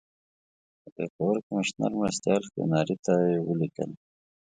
د پېښور کمیشنر مرستیال کیوناري ته یې ولیکل.